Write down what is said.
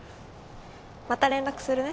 また連絡するね。